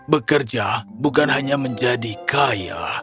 bekerja bukan hanya menjadi kaya